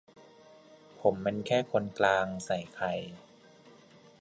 "ผมมันแค่คนกลาง" ใส่ไข่